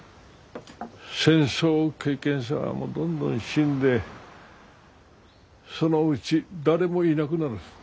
戦争経験者もどんどん死んでそのうち誰もいなくなる。